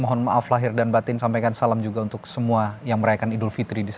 mohon maaf lahir dan batin sampaikan salam juga untuk semua yang merayakan idul fitri di sana